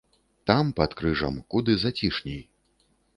Там, пад крыжам, куды зацішней.